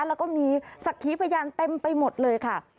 แล้วก็มีศักดิ์ขีพยานเต็มไปหมดเลยค่ะ